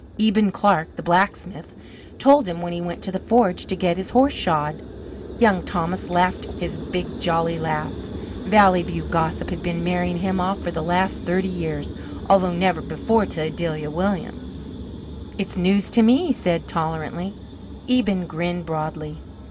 Eben Clark, the blacksmith, told him when he went to the forge to get his horse shod. Young Thomas laughed his big jolly laugh. Valley View gossip had been marrying him off for the last thirty years, although never before to Adelia Williams. "It's news to me," he said tolerantly. Eben grinned broadly.